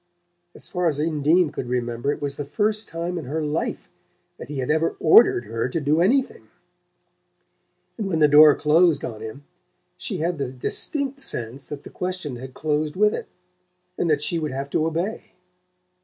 As far as Undine could remember, it was the first time in her life that he had ever ordered her to do anything; and when the door closed on him she had the distinct sense that the question had closed with it, and that she would have to obey.